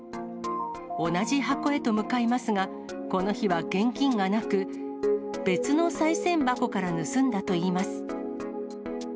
同じ箱へと向かいますが、この日は現金がなく、別のさい銭箱から盗んだといいます。